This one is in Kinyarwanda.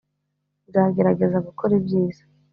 nzagerageza gukora ibyiza